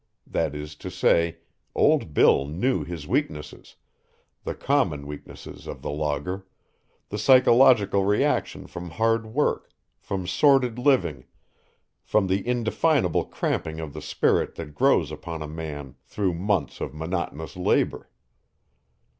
That is to say, old Bill knew his weaknesses, the common weaknesses of the logger, the psychological reaction from hard work, from sordid living, from the indefinable cramping of the spirit that grows upon a man through months of monotonous labor.